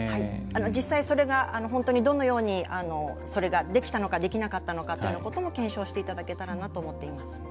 実際、それが本当にどのように、それができたのかできなかったのかということも検証していただけたらなと思っています。